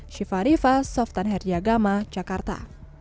syifa rifat softhanher yagama jakarta